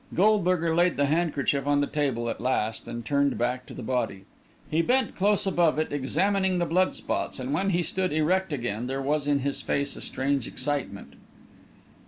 Goldberger laid the handkerchief on the table, at last, and turned back to the body. He bent close above it, examining the blood spots, and when he stood erect again there was in his face a strange excitement.